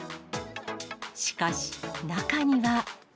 しかし、中には。